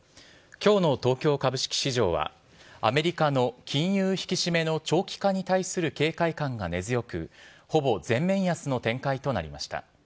きょうの東京株式市場は、アメリカの金融引き締めの長期化に対する警戒感が根強く、ほぼ全面安の展開となりました。